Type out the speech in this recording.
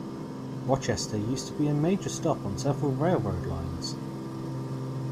Rochester used to be a major stop on several railroad lines.